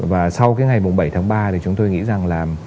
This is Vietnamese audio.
và sau cái ngày bảy tháng ba thì chúng tôi nghĩ rằng là